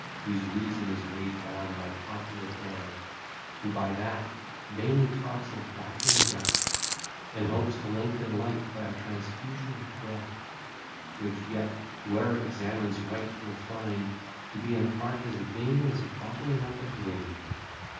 Whose reason is weigh'd down by popular air, Who, by that, vainly talks of baffling death; And hopes to lengthen life by a transfusion of breath, Which yet whoe'er examines right will find To be an art as vain as bottling up of wind!)